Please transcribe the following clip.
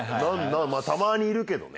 たまにいるけどね。